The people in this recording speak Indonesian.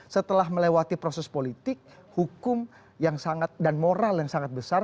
setelah melewati proses politik hukum yang sangat dan moral yang sangat besar